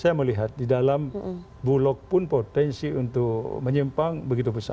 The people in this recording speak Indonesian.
saya melihat di dalam bulog pun potensi untuk menyimpang begitu besar